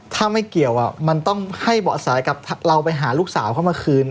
ถ้าไม่เกี่ยวมันต้องให้เบาะแสกับเราไปหาลูกสาวเขามาคืน